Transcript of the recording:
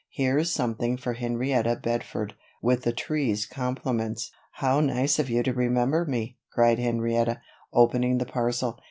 "Here's something for Henrietta Bedford, with the tree's compliments." "How nice of you to remember me," cried Henrietta, opening the parcel.